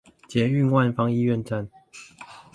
捷運萬芳醫院站